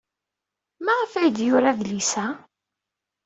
Maɣef ay d-yura adlis-a?